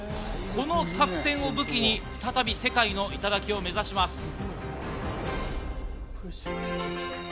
この作戦を武器に再び世界の頂を目指します。